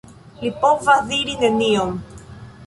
Li povas diri nenion.